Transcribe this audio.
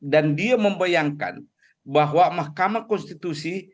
dan dia membayangkan bahwa mahkamah konstitusi